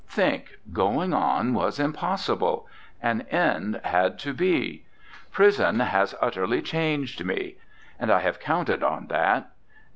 Think! Going on was impossible. An end had to be. Prison has utterly changed me. And I have counted on that.